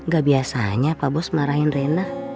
gak biasanya pak bos marahin rena